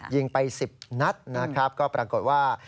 ยิงไป๑๐นัดนะครับก็ปรากฏว่า